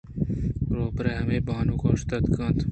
روباہے ءَ ہمے بانگ اِشکُت اَنت